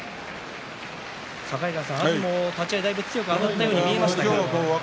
境川さん、阿炎も立ち合いだいぶ強くあたったように見えましたが。